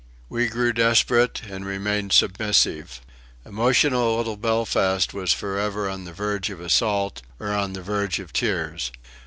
We grew desperate, and remained submissive. Emotional little Belfast was for ever on the verge of assault or on the verge of tears.